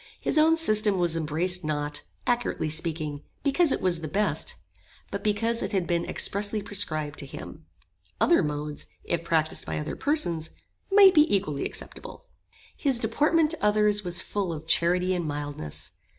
His own system was embraced not, accurately speaking, because it was the best, but because it had been expressly prescribed to him. Other modes, if practised by other persons, might be equally acceptable. His deportment to others was full of charity and mildness.